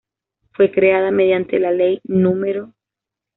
Fue creada mediante la Ley No.